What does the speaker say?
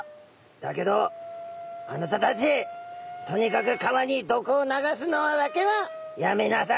だけどあなたたちとにかく川に毒を流すのだけはやめなされ」。